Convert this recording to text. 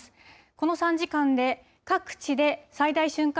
この３時間で各地で最大瞬間